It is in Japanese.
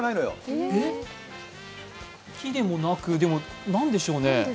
木でもなく、何でしょうね？